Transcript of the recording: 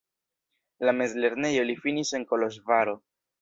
La mezlernejon li finis en Koloĵvaro.